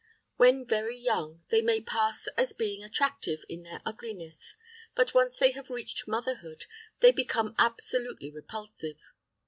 When very young, they may pass as being attractive in their ugliness, but once they have reached motherhood, they become absolutely repulsive.